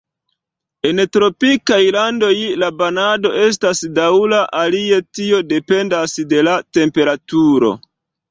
En tropikaj landoj la banado estas daŭra, alie tio dependas de la temperaturo.